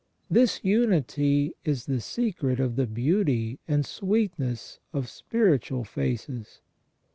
This unity is the secret of the beauty and sweetness of spiritual faces.